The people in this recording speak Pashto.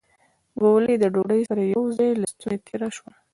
ګولۍ له ډوډۍ سره يو ځای له ستونې تېره شوه.